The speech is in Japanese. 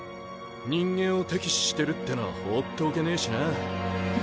人間を敵視してるってのは放っておけねえしな。